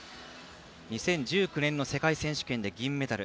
２０１９年の世界選手権で銀メダル。